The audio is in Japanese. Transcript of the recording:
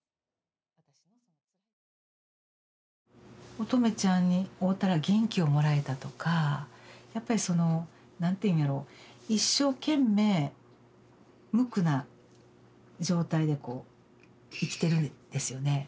音十愛ちゃんに会うたら元気をもらえたとかやっぱりその何て言うんやろ一生懸命むくな状態でこう生きてるんですよね。